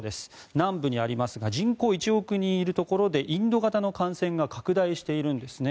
南部にありますが人口１億人いるところでインド型の感染が拡大しているんですね。